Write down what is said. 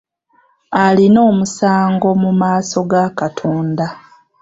Alina omusango mu maaso ga katonda.